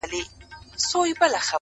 o له مايې ما اخله،